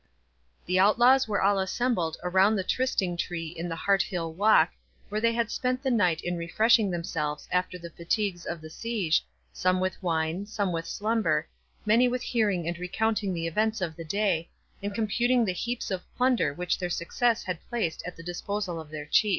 The outlaws were all assembled around the Trysting tree in the Harthill walk, where they had spent the night in refreshing themselves after the fatigues of the siege, some with wine, some with slumber, many with hearing and recounting the events of the day, and computing the heaps of plunder which their success had placed at the disposal of their Chief.